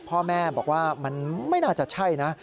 พ่อแม่บอกว่ามันไม่น่าจะใช่นะ